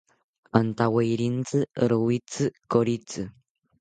Antawerintzi rowitzi koritzi